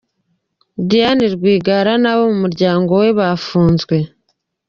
Diane Rwigara n’abo mu muryango we bafunzwe.